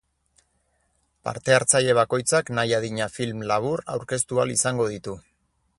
Parte hartzaile bakoitzak nahi adina film labur aurkeztu ahal izango ditu.